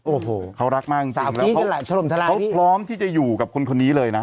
โอ้โหเขารักมากจริงเขาพร้อมที่จะอยู่กับคนคนนี้เลยนะ